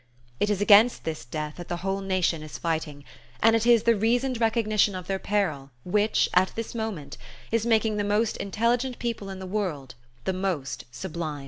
It is against this death that the whole nation is fighting; and it is the reasoned recognition of their peril which, at this moment, is making the most intelligent people in the world the most sublime.